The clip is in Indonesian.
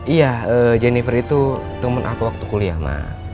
iya jennifer itu temen aku waktu kuliah mbak